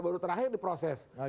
baru terakhir diproses